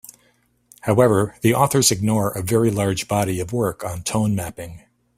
However, the authors ignore a very large body of work on tone mapping.